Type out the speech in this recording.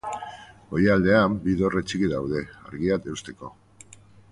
Goialdean bi dorre txiki daude, argiak eusteko.